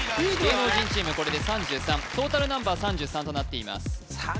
芸能人チームこれで３３トータルナンバー３３となっています